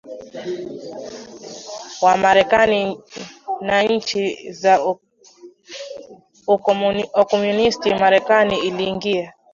wa Marekani na nchi za ukomunisti Marekani iliingia